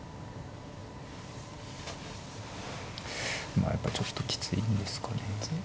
まあやっぱりちょっときついんですかね。